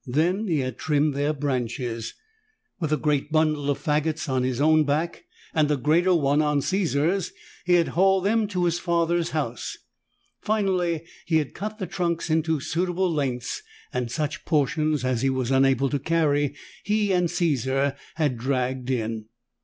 Then he had trimmed their branches. With a great bundle of faggots on his own back and a greater one on Caesar's, he had hauled them to his father's house. Finally, he had cut the trunks into suitable lengths, and such portions as he was unable to carry, he and Caesar had dragged in.